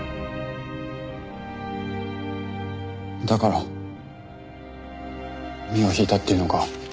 だから身を引いたっていうのか？